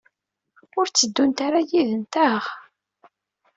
Ur tteddunt ara yid-nteɣ?